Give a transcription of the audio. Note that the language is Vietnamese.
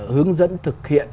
hướng dẫn thực hiện